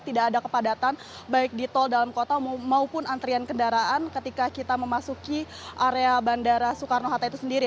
tidak ada kepadatan baik di tol dalam kota maupun antrian kendaraan ketika kita memasuki area bandara soekarno hatta itu sendiri